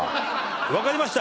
分かりました。